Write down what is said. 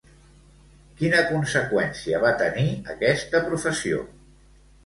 Quina conseqüència va tenir, aquesta professió?